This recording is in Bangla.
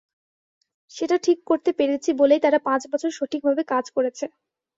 সেটা ঠিক করতে পেরেছি বলেই তারা পাঁচ বছর সঠিকভাবে কাজ করেছে।